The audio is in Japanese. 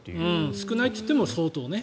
少ないといっても相当ね。